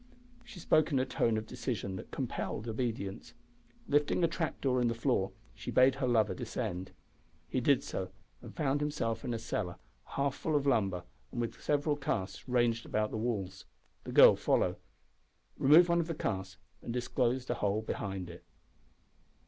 She spoke in a tone of decision that compelled obedience. Lifting a trap door in the floor she bade her lover descend. He did so, and found himself in a cellar half full of lumber and with several casks ranged round the walls. The girl followed, removed one of the casks, and disclosed a hole behind it.